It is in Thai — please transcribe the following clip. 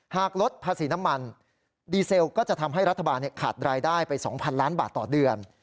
หากลดภาษีน้ำมันดีเซลก็จะทำให้รัฐบาลขาดรายได้ไป๒๐๐ล้านบาทต่อเดือน